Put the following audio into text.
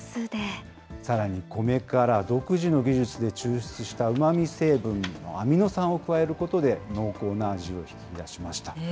さらに、コメから独自の技術で抽出した、うまみ成分のアミノ酸を加えることで、濃厚な味を引き出しました。